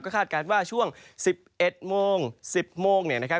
ก็คาดการณ์ว่าช่วง๑๑๐๐๑๑๐๐นี้นะครับ